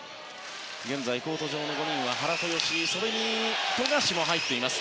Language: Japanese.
現在、コート上の５人は原と吉井それに富樫も入っています。